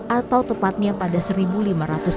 atau tepatnya lima tahun lalu